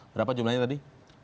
berapa jumlahnya tadi